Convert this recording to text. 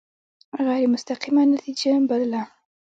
غیر مستقیمه نتیجه بلله.